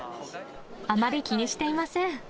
あまり気にしていません。